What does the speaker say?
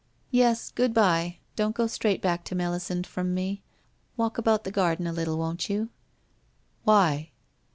* Yes, good bye ! Don't go straight back to Melisande from me. Walk about the garden a little, won't you? ' 'Why?'